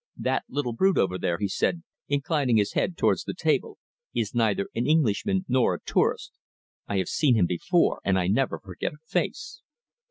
"That little brute over there," he said, inclining his head towards the table, "is neither an Englishman nor a tourist. I have seen him before, and I never forget a face."